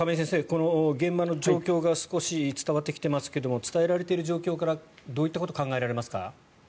この現場の状況が少し伝わってきてますけども伝えられている状況からどういったことが考えられますか？